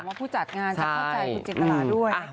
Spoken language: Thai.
ผู้จัดงานจะเข้าใจคุณจินตราด้วย